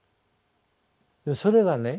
それがね